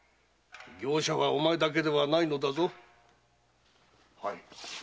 業者はお前だけではないのだぞ。